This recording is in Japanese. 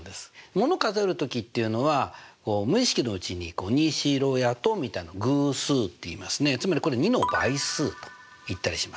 もの数える時っていうのは無意識のうちに２４６８１０みたいな偶数っていいますねつまりこれ２の倍数といったりします。